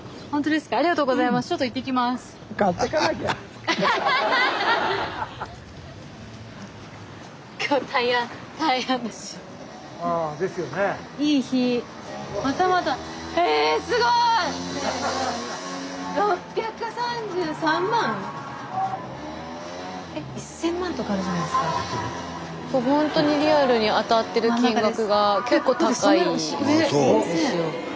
スタジオほんとにリアルに当たってる金額が結構高いんですよ。